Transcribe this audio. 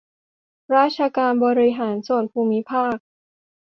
ราชการบริหารส่วนภูมิภาค